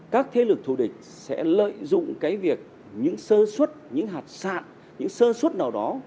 các thế lực thù địch sẽ lợi dụng cái việc những sơ suất những hạt sạn những sơ suất nào đó